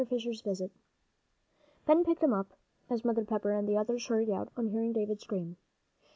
FISHER'S VISIT Ben picked him up, as Mother Pepper and the others hurried out, on hearing David scream.